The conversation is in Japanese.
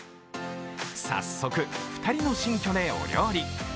早速、２人の新居でお料理。